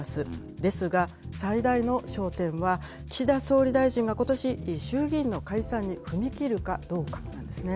ですが、最大の焦点は、岸田総理大臣がことし、衆議院の解散に踏み切るかどうかなんですね。